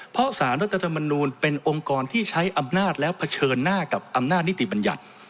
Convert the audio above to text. เพราะสารรัฐธรรมนูลเป็นองค์กรที่ใช้อำนาจแล้วเผชิญหน้ากับอำนาจนิติบัญญัติ